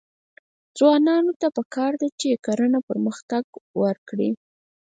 ځوانانو ته پکار ده چې، کرنه پرمختګ ورکړي.